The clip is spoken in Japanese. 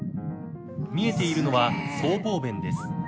見えているのは僧帽弁です。